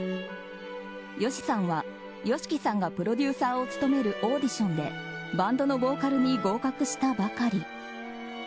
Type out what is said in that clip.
ＹＯＳＨＩさんはＹＯＳＨＩＫＩさんがプロデューサーを務めるオーディションでバンドのボーカルに合格したばかり。